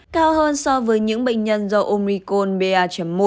cao hơn so với những bệnh nhân do omicron ba một bảy tám